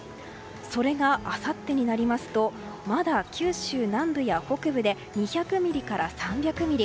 それが、あさってになるとまだ九州南部や北部で２００ミリから３００ミリ。